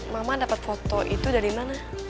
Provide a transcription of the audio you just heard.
mama dapat foto itu dari mana